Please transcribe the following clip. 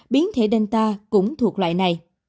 biến thể delta cũng thuộc loại này